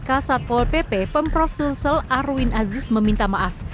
kasatpol pp pemprov sulsel arwin aziz meminta maaf